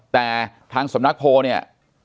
แต่ทางสำนักโพลเนี่ย